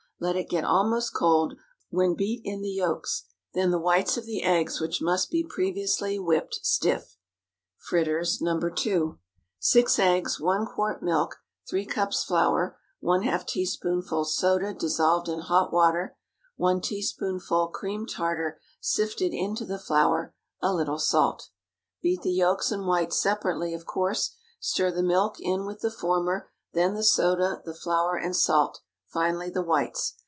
Let it get almost cold, when beat in the yolks, then the whites of the eggs, which must be previously whipped stiff. FRITTERS (No. 2.) 6 eggs. 1 quart milk. 3 cups flour. ½ teaspoonful soda dissolved in hot water. 1 teaspoonful cream tartar sifted into the flour. A little salt. Beat the yolks and whites separately, of course; stir the milk in with the former, then the soda, the flour, and salt, finally the whites.